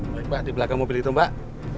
baik pak di belakang mobil itu pak